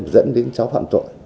dẫn đến cháu phạm tội